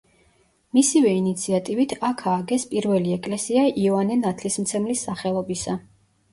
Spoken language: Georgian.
მისივე ინიციატივით აქ ააგეს პირველი ეკლესია იოანე ნათლისმცემლის სახელობისა.